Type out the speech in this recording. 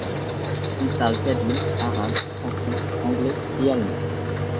Il parle kabyle, arabe, français, anglais et allemand.